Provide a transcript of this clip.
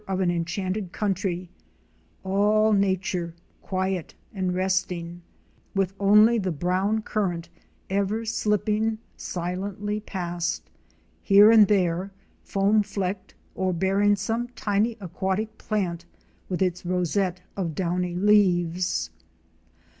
163 of an enchanted country — all Nature quict and resting — with only the brown current ever slipping silently past, here and there foam flecked or bearing some tiny aquatic plant with its rosette of downy leaves.